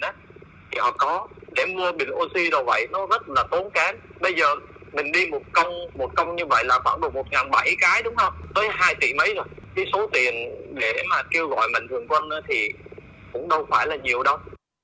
cái số tiền để mà kêu gọi bệnh thường quân thì cũng đâu phải là nhiều đâu